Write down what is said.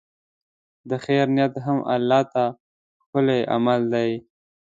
د خیر نیت هم الله ته ښکلی عمل دی.